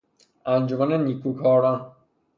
انجمن نیکوکاران